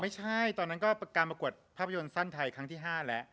ไม่ใช่ตอนนั้นก็การประกวดภาพยนตร์สั้นไทยครั้งที่๕แล้ว